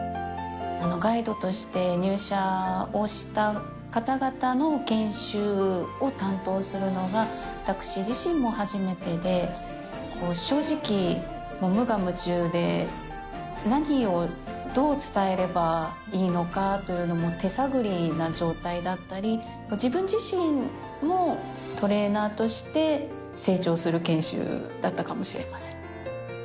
ガイドとして入社をした方々の研修を担当するのが、私自身も初めてで、正直、無我夢中で、何をどう伝えればいいのかというのも手探りな状態だったり、自分自身もトレーナーとして成長する研修だったかもしれません。